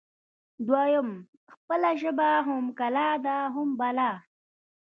دویم: خپله ژبه هم کلا ده هم بلا